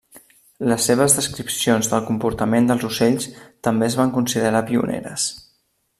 Les seves descripcions del comportament dels ocells també es van considerar pioneres.